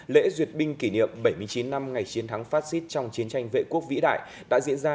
lễ duyệt binh kỷ niệm bảy mươi chín năm ngày chiến thắng fascist trong chiến tranh vệ quốc vĩ đại đã diễn ra